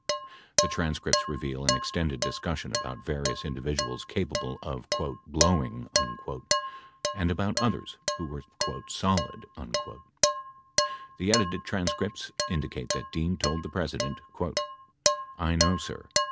57 The transcripts reveal an extended discussion about various individuals capable of "blowing" 58 and about others who were "solid." 59 The edited transcripts indicate that Dean told the President : "I know, sir.